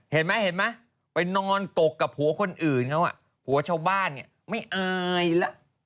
เห็นมั้ยไปนอนตกกับผัวคนอื่นเขาอะผัวชาวบ้านแบบนี้ไม่อายหรอก